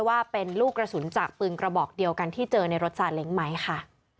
ว่าเป็นลูกกระสุนจากปืนกระบอกเดียวกันที่เจอในรถซาเล้งไหมค่ะ